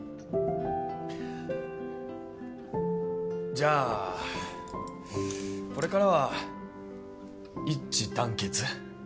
じゃあこれからは一致団結。